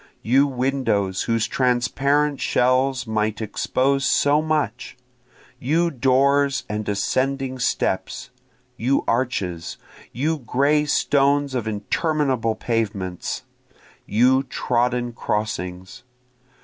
You windows whose transparent shells might expose so much! You doors and ascending steps! you arches! You gray stones of interminable pavements! you trodden crossings!